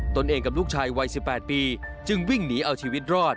เองกับลูกชายวัย๑๘ปีจึงวิ่งหนีเอาชีวิตรอด